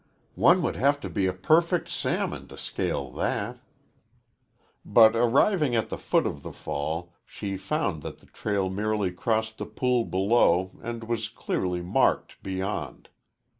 "One would have to be a perfect salmon to scale that!" But arriving at the foot of the fall, she found that the trail merely crossed the pool below and was clearly marked beyond.